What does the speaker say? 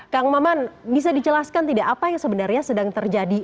kang maman bisa dijelaskan tidak apa yang sebenarnya sedang terjadi